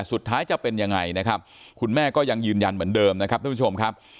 จะเป็นยังไงนะครับคุณแม่ก็ยังยืนยันเหมือนเดิมนะครับท่านผู้ชมครับ